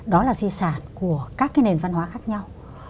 đó là di sản của các cái nền văn hóa khác nhau